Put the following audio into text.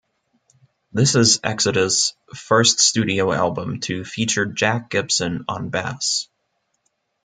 This is Exodus' first studio album to feature Jack Gibson on bass.